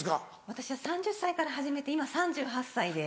私は３０歳から始めて今３８歳で。